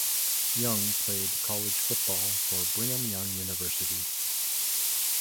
Young played college football for Brigham Young University.